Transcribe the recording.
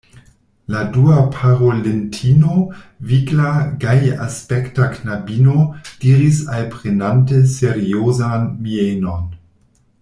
La dua parolintino, vigla, gajaspekta knabino, diris alprenante seriozan mienon: